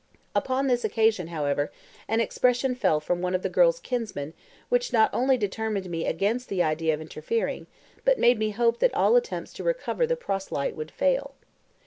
Upon this occasion, however, an expression fell from one of the girl's kinsmen which not only determined me against the idea of interfering, but made me hope that all attempts to recover the proselyte would fail.